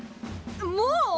もう！？